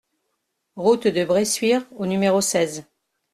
Route de Bressuire au numéro seize